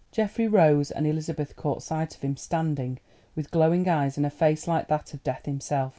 Geoffrey rose, and Elizabeth caught sight of him standing with glowing eyes and a face like that of Death himself.